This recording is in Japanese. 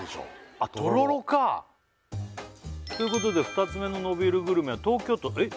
あっとろろかということで２つ目ののびーるグルメは東京都えっ